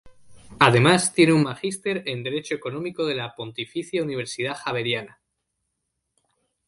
Además tiene un Magister en Derecho Económico de la Pontificia Universidad Javeriana.